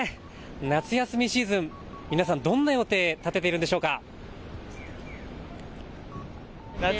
夏休みシーズン、皆さんどんな予定立てているんでしょうか。